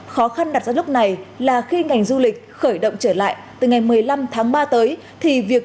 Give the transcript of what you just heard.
khó khăn đặt ra lúc này là khi ngành du lịch khởi động trở lại từ ngày một mươi năm tháng ba tới thì việc